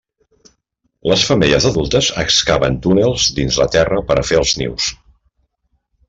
Les femelles adultes excaven túnels dins la terra per a fer els nius.